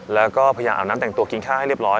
แล้วก็พยายามอาบน้ำแต่งตัวกินข้าวให้เรียบร้อย